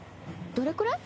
どれくらい？